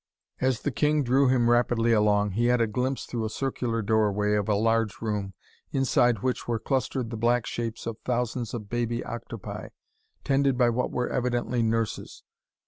As the king drew him rapidly along, he had a glimpse through a circular doorway of a large room, inside which were clustered the black shapes of thousands of baby octopi, tended by what were evidently nurses.